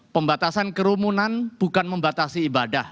pembatasan kerumunan bukan membatasi ibadah